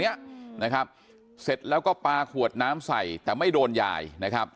เนี้ยนะครับเสร็จแล้วก็ปลาขวดน้ำใส่แต่ไม่โดนยายนะครับ